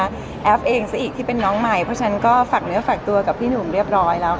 แอฟเองซะอีกที่เป็นน้องใหม่เพราะฉะนั้นก็ฝากเนื้อฝากตัวกับพี่หนุ่มเรียบร้อยแล้ว